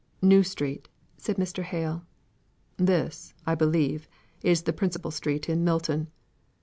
"New Street," said Mr. Hale. "This, I believe, is the principal street in Milton.